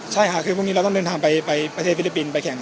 สวัสดีครับขออนุญาตถ้าใครถึงแฟนทีลักษณ์ที่เกิดอยู่แล้วค่ะ